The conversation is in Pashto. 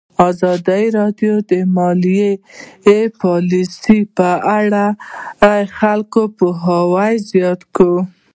ازادي راډیو د مالي پالیسي په اړه د خلکو پوهاوی زیات کړی.